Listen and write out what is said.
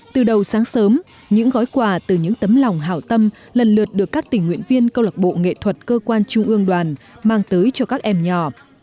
từ đầu sáng sớm những gói quà từ những tấm lòng hảo tâm lần lượt được các tình nguyện viên câu lạc bộ nghệ thuật cơ quan trung ương đoàn mang tới cho các em nhỏ